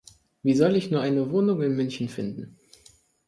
Wie soll ich nur eine Wohnung in München finden?